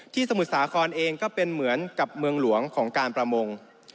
สมุทรสาครเองก็เป็นเหมือนกับเมืองหลวงของการประมง